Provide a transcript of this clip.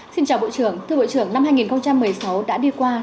xin chào bộ trưởng thưa bộ trưởng năm hai nghìn một mươi sáu đã đi qua